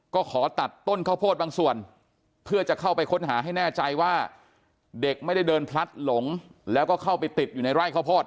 ก็ขอตัดต้นข้าวโพดบางส่วนเพื่อจะเข้าไปค้นหาให้แน่ใจว่าเด็กไม่ได้เดินพลัดหลงแล้วก็เข้าไปติดอยู่ในไร่ข้าวโพด